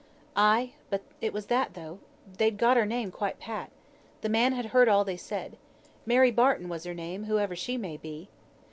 "Ay, but it was that, though. They'd got her name quite pat. The man had heard all they said. Mary Barton was her name, whoever she may be."